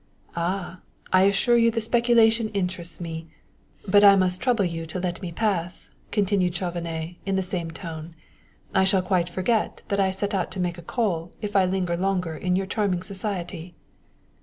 "Ah! I assure you the speculation interests me; but I must trouble you to let me pass," continued Chauvenet, in the same tone. "I shall quite forget that I set out to make a call if I linger longer in your charming society."